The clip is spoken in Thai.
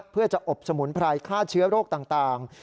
เพื่อจะอบสมุนไพรฆ่าเชื้อโรคต่าง